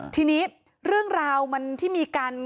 ทีนี้เรื่องราวมันที่มีการ